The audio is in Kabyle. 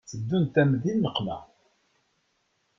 Teddunt-am di nneqma.